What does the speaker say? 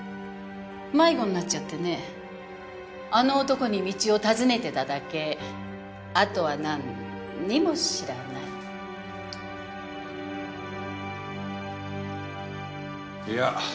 迷子になっちゃってねあの男に道を尋ねてただけあとは何にも知らないいや